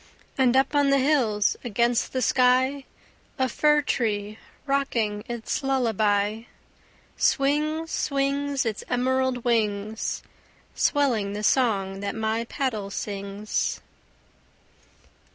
And up on the hills against the sky, A fir tree rocking its lullaby, Swings, swings, Its emerald wings, Swelling the song that my paddle sings.